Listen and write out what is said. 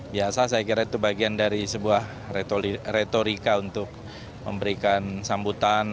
biasa saya kira itu bagian dari sebuah retorika untuk memberikan sambutan